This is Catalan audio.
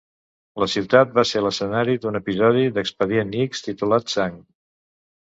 La ciutat va ser l'escenari d'un episodi d'"Expedient X" titulat "Sang".